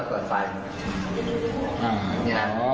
มันกล้าจะรีเซตตัวเอง